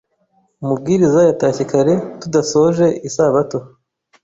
Umubwiriza yatashye kare tudasoje isabato